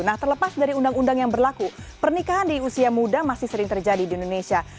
nah terlepas dari undang undang yang berlaku pernikahan di usia muda masih sering terjadi di indonesia